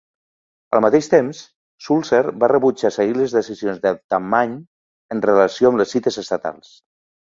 Al mateix temps, Sulzer va rebutjar seguir les decisions de Tammany en relació amb les cites estatals..